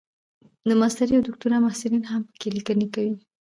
د ماسټرۍ او دوکتورا محصلین هم پکې لیکني کوي.